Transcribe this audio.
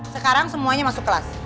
sekarang semuanya masuk kelas